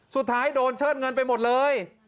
สุดท้ายโดนเชิดเงินไปหมดเลย